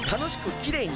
きれいに！